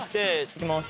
いきます。